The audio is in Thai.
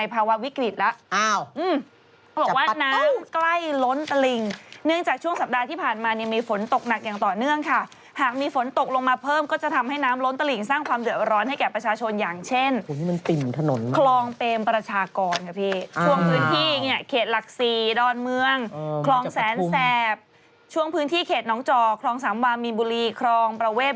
ยกว่าจากช่วงสัปดาห์ที่ผ่านมานี่มีฝนตกหนักอย่างต่อเนื่องค่ะหากมีวันตกลงมาเพิ่มก็จะทำให้น้ำล้นตลิ่งสร้างความเดือบร้อนให้แก่ประชาชนอย่างเช่นเอ๋